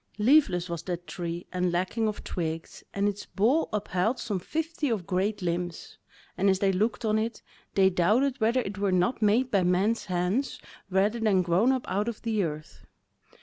Leafless was that tree and lacking of twigs, and its bole upheld but some fifty of great limbs, and as they looked on it, they doubted whether it were not made by men's hands rather than grown up out of the earth.